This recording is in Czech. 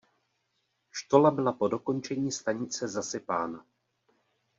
Štola byla po dokončení stanice zasypána.